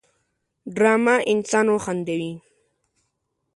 ډرامه انسان وخندوي